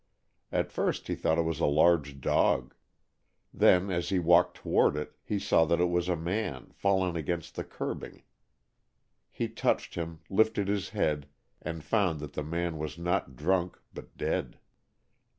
At first he thought it was a large dog. Then, as he walked toward it, he saw that it was a man fallen against the curbing. He touched him, lifted his head, and found that the man was not drunk but dead.